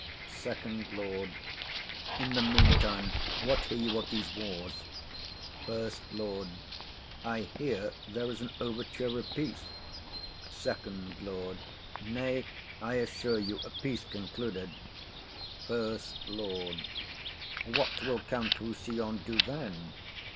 FIRST LORD. In the meantime, what hear you of these wars? SECOND LORD. I hear there is an overture of peace. FIRST LORD. Nay, I assure you, a peace concluded. SECOND LORD. What will Count Rossillon do then?